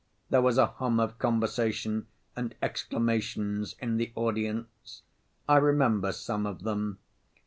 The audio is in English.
There was a hum of conversation and exclamations in the audience. I remember some of them.